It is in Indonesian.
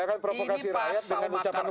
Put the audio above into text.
ini pasal makar